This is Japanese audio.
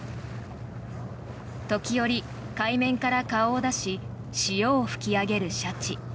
時折、海面から顔を出し潮を吹き上げるシャチ。